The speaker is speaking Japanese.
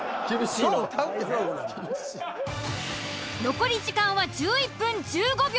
残り時間は１１分１５秒。